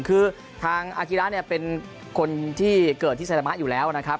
คือทางอากิระเนี่ยเป็นคนที่เกิดที่ไซตามะอยู่แล้วนะครับ